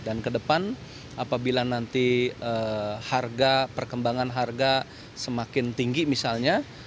dan ke depan apabila nanti harga perkembangan harga semakin tinggi misalnya